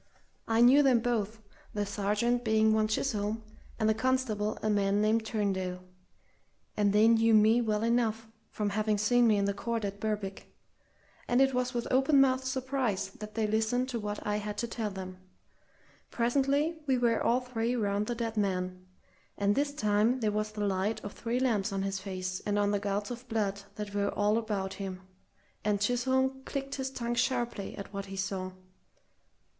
I knew them both, the sergeant being one Chisholm, and the constable a man named Turndale, and they knew me well enough from having seen me in the court at Berwick; and it was with open mouthed surprise that they listened to what I had to tell them. Presently we were all three round the dead man, and this time there was the light of three lamps on his face and on the gouts of blood that were all about him, and Chisholm clicked his tongue sharply at what he saw.